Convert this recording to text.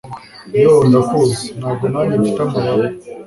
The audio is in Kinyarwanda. yoo! ndakuzi, ntabwo nanjye mfite amababa